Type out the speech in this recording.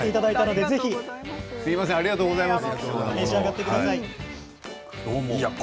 すみませんありがとうございます。